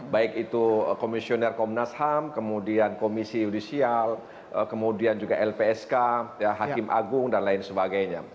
baik itu komisioner komnas ham kemudian komisi yudisial kemudian juga lpsk hakim agung dan lain sebagainya